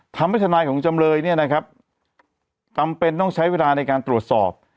ทำพิจารณาของจำเลยนี่นะครับต้องใช้เวลาในการตรวจสอบ